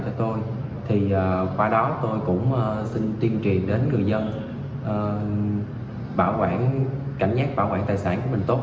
cho tôi thì qua đó tôi cũng xin tuyên truyền đến người dân bảo quản cảnh giác bảo quản tài sản của mình tốt